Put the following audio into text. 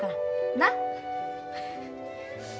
なっ？